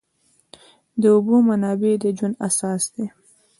د اوبو منابع د ژوند اساس دي.